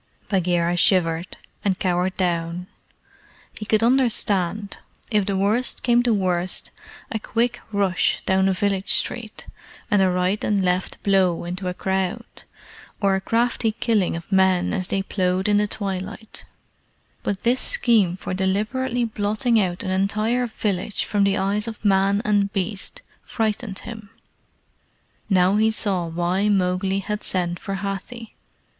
Bagheera shivered, and cowered down. He could understand, if the worst came to the worst, a quick rush down the village street, and a right and left blow into a crowd, or a crafty killing of men as they ploughed in the twilight; but this scheme for deliberately blotting out an entire village from the eyes of man and beast frightened him. Now he saw why Mowgli had sent for Hathi.